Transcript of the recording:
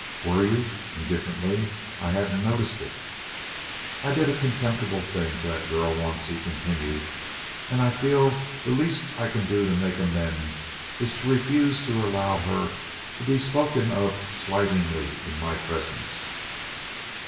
"Were you?" indifferently. "I hadn't noticed it." "I did a contemptible thing to that girl once," he continued, "and I feel that the least I can do to make amends is to refuse to allow her to be spoken of slightingly in my presence."